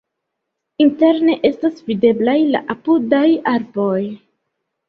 Interne estas videblaj la apudaj arboj.